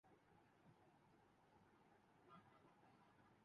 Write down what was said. Serena Williams نے Cincinnati W T A women's title جیت لیا